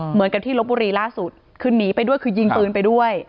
เหมือนกับที่ลบบุรีล่าสุดคือหนีไปด้วยคือยิงปืนไปด้วย